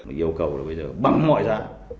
yêu cầu bây giờ bằng mọi giá